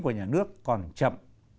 của nhà nước còn chậm